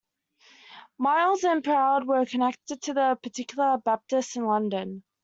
Myles and Proud were connected to the Particular Baptists in London.